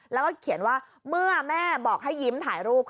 แล้วก็เขียนว่าเมื่อแม่บอกให้ยิ้มถ่ายรูป